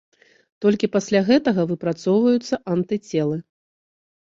Толькі пасля гэтага выпрацоўваюцца антыцелы.